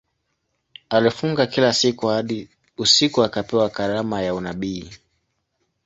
Alifunga kila siku hadi usiku akapewa karama ya unabii.